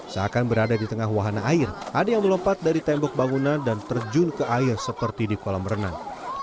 seakan berada di tengah wahana air ada yang melompat dari tembok bangunan dan terjun ke air seperti di kolam renang